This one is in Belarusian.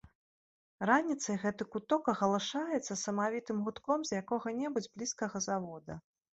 Раніцай гэты куток агалашаецца самавітым гудком з якога-небудзь блізкага завода.